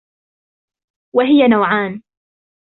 وَهِيَ نَوْعَانِ